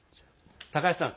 高橋さん